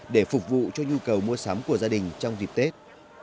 để phục vụ cho nhu cầu mua sắm của gia đình trong dịp tết